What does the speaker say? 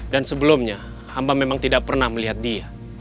sebelumnya hamba memang tidak pernah melihat dia